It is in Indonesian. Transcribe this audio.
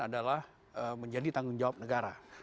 adalah menjadi tanggung jawab negara